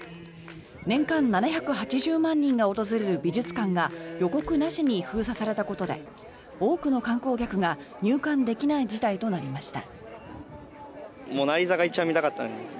年間７８０万人が訪れる美術館が予告なしに封鎖されたことで多くの観光客が入館できない事態となりました。